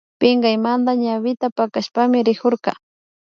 Pinkaymanta ñawita pakashpami rikurka